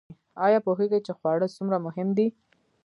ایا پوهیږئ چې خواړه څومره مهم دي؟